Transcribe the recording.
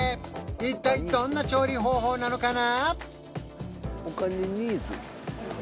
一体どんな調理方法なのかな？